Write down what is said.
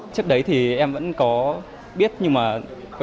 trước đấy thì em vẫn có biết nhưng mà có những thử thách